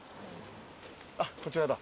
あっこちらだ。